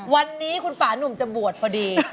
วันนี้คุณป่านุ่มจะบวชพอดี